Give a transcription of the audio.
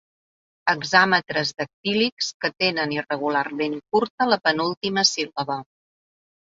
Hexàmetres dactílics que tenen irregularment curta la penúltima síl·laba.